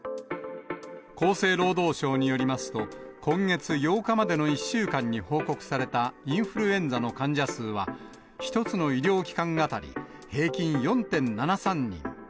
厚生労働省によりますと、今月８日までの１週間に報告されたインフルエンザの患者数は、１つの医療機関当たり平均４．７３人。